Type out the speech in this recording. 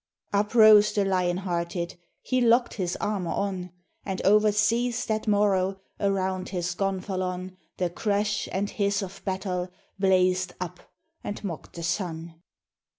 Uprose the Lionhearted, He locked his armor on: And over seas that morrow Around his gonfalon, The crash and hiss of battle Blazed up, and mocked the sun.